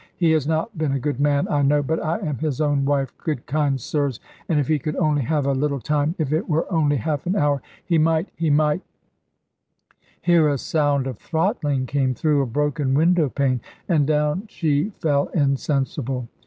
He has not been a good man, I know, but I am his own wife, good kind sirs and if he could only have a little time, if it were only half an hour he might, he might " Here a sound of throttling came through a broken windowpane, and down she fell insensible.